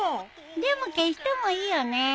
でも消してもいいよね？